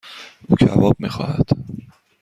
او کباب میخواهد.